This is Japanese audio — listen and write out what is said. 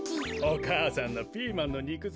お母さんのピーマンのにく